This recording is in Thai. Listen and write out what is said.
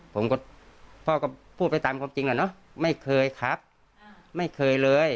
ผมก็พ่อก็พูดไปตามความจริงอ่ะเนอะไม่เคยครับไม่เคยเลย